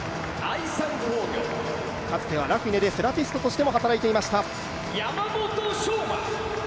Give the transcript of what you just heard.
かつてはラフィネでセラピストとしても働いていました。